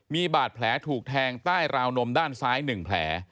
มีบาดแผลถูกแทงใต้ราวนมด้านซ้าย๑แผล